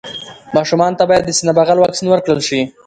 ماشومانو ته باید د سینه بغل واکسين ورکړل شي.